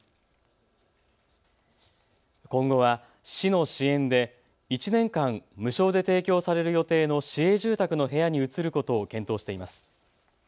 今後は、市の支援で１年間、無償で提供される予定の市営住宅の部屋に移ることを検討しています。